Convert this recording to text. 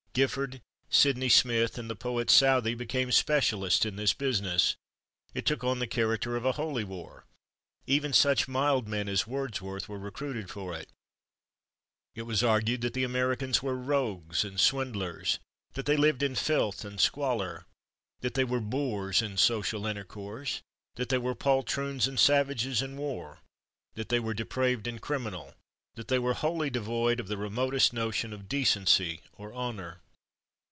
Gifford, Sydney Smith and the poet Southey became specialists in this business; it took on the character of a holy war; even such mild men as Wordsworth were recruited for it. It was argued that the Americans were rogues and swindlers, that they lived in filth and squalor, that they were boors in social intercourse, that they were poltroons and savages in war, that they were depraved and criminal, that they were wholly devoid of the remotest notion of decency or honor.